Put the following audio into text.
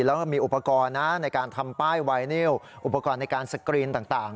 แล้วก็มีอุปกรณ์นะในการทำป้ายไวนิวอุปกรณ์ในการสกรีนต่าง